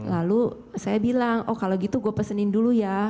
lalu saya bilang oh kalau gitu gue pesenin dulu ya